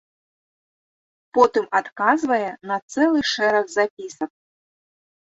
Потым адказвае на цэлы шэраг запісак.